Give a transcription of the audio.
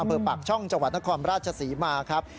อำเภอปากช่องจังหวัดนครราชศรีมาครับ